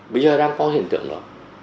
bây giờ đang có hiện tượng đó